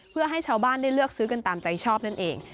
เพื่อให้ชาวบ้านได้เลือกซื้อกันตามใจชอบนั่นเอง